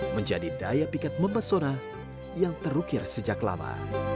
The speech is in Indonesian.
menjadi daya pikat memesona yang terukir sejak lama